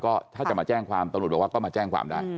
ก็ถ้าจะมาแจ้งความตำรวจบอกว่าก็มาแจ้งความได้